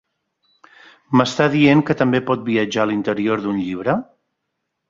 M'està dient que també pot viatjar a l'interior d'un llibre?